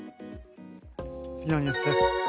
次のニュースです。